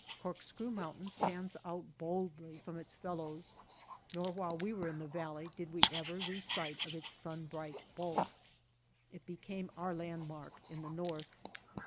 Corkscrew Mountain stands out boldly from its fellows, nor while we were in the valley did we ever lose sight of its sun bright bulk. It became our landmark in the north.